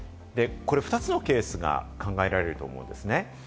２つのケースが考えられると思うんですね。